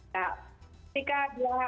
nah ketika dia